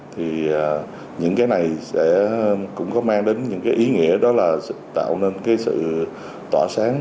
thì những cái này cũng có mang đến những ý nghĩa đó là tạo nên sự tỏa sáng